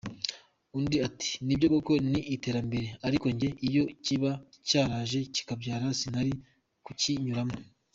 Undi ati “ Nibyo koko ni iterambere , ariko njye iyo kiba cyaraje nkibyara sinari kukinyuramo.